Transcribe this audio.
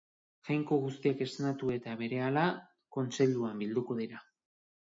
Jainko guztiak esnatu eta berehala, kontseiluan bilduko dira.